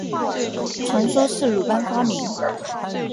传说是鲁班发明。